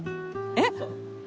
えっ！？